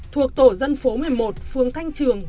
thuộc tổ dân phố một mươi một phương thanh trường